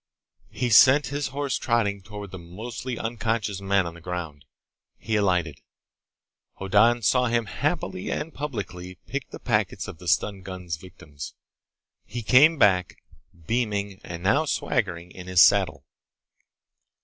He sent his horse trotting toward the mostly unconscious men on the ground. He alighted. Hoddan saw him happily and publicly pick the pockets of the stun gun's victims. He came back, beaming and now swaggering in his saddle.